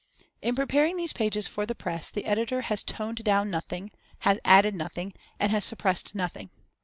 In preparing these pages for the press, the editor has toned down nothing, has added nothing, and has suppressed nothing.